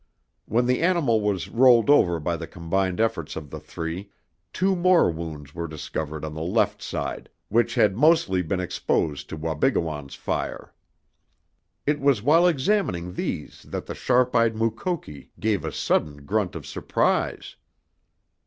When the animal was rolled over by the combined efforts of the three two more wounds were discovered on the left side, which had mostly been exposed to Wabigoon's fire. It was while examining these that the sharp eyed Mukoki gave a sudden grunt of surprise.